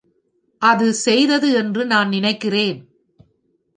அது செய்தது என்று நான் நினைக்கிறேன்.